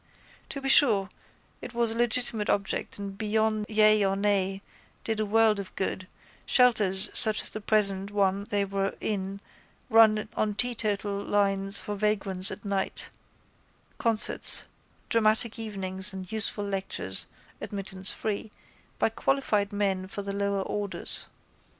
To be sure it was a legitimate object and beyond yea or nay did a world of good, shelters such as the present one they were in run on teetotal lines for vagrants at night, concerts, dramatic evenings and useful lectures (admittance free) by qualified men for the lower orders.